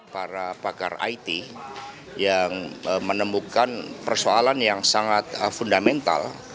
para pakar it yang menemukan persoalan yang sangat fundamental